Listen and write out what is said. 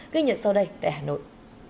ghi nhận sau đây tại hà nội